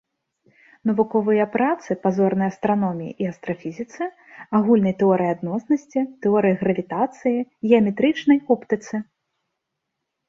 Навуковыя працы па зорнай астраноміі і астрафізіцы, агульнай тэорыі адноснасці, тэорыі гравітацыі, геаметрычнай оптыцы.